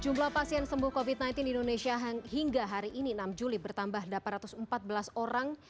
jumlah pasien sembuh covid sembilan belas di indonesia hingga hari ini enam juli bertambah delapan ratus empat belas orang